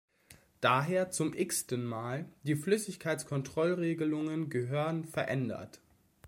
Daher, zum xten-Mal, die Flüssigkeitskontrollregelungen gehören verändert!